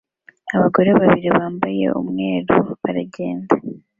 Abagore babiri bambaye umweru baragenda